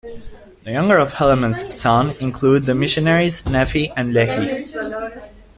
The younger of Helaman's sons include the missionaries Nephi and Lehi.